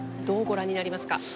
どうご覧になりますか？